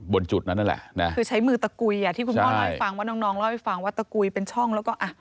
จุดนั้นนั่นแหละนะคือใช้มือตะกุยอ่ะที่คุณพ่อเล่าให้ฟังว่าน้องน้องเล่าให้ฟังว่าตะกุยเป็นช่องแล้วก็อ่ะ